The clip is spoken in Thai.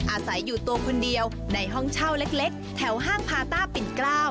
อาศัยอยู่ตัวคนเดียวในห้องเช่าเล็กแถวห้างพาต้าปิ่นเกล้า